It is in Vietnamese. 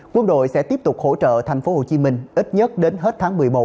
quân đội sẽ tiếp tục hỗ trợ thành phố hồ chí minh ít nhất đến hết tháng một mươi một